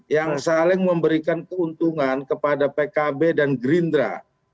yang saling memberikan keuntungan kepada pkb dan gerindra